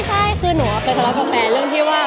ใช่คือหนูไปทะเลาะกับแฟนเรื่องที่ว่า